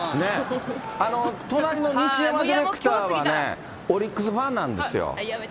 隣の西山ディレクターはね、オリックスファンなんですよ。